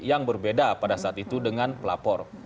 yang berbeda pada saat itu dengan pelapor